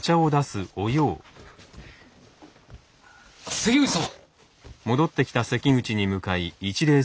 関口様！